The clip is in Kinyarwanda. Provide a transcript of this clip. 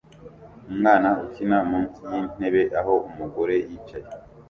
Umwana ukina munsi y'intebe aho umugore yicaye